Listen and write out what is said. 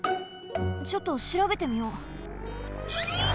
ちょっとしらべてみよう。